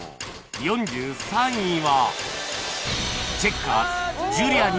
４３位は